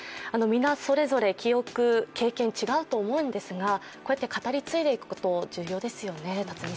みんなそれぞれ記憶、経験違うと思うんですが、こうやって語り継いでいくことは重要ですよね。